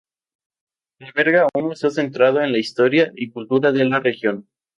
Alberga un museo centrado en la historia y cultura de la región.